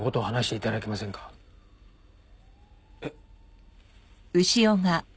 えっ？